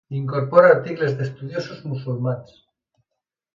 Incorpora articles d'estudiosos musulmans.